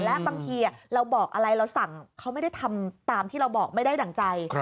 และบางทีเราบอกอะไรเราสั่งเขาไม่ได้ทำตามที่เราบอกไม่ได้ดั่งใจ